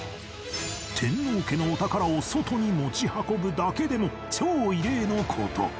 天皇家のお宝を外に持ち運ぶだけでも超異例の事